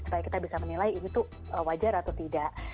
supaya kita bisa menilai itu wajar atau tidak